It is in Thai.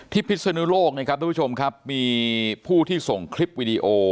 พิศนุโลกนะครับทุกผู้ชมครับมีผู้ที่ส่งคลิปวิดีโอ